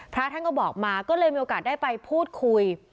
พระท่านก็บอกมาก็เลยมีโอกาสได้ไปพูดคุย